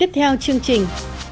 tiếp theo chương trình